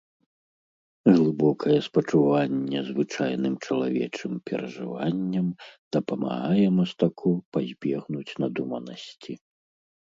Глыбокае спачуванне звычайным чалавечым перажыванням дапамагае мастаку пазбегнуць надуманасці.